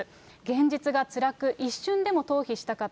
現実がつらく、一瞬でも逃避したかった。